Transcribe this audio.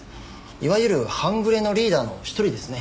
いわゆる半グレのリーダーの１人ですね。